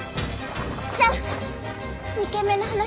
じゃあ２軒目の話は？